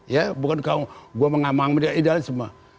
ya bukan kau gue mengamang mendaidalan semua